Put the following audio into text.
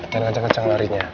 jangan keceng keceng larinya